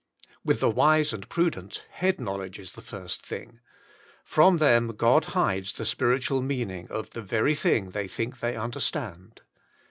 With the wise and prudent head knowledge is the first thing ; from them God hides the spiritual meaning of the Very Thing They Think They Understand.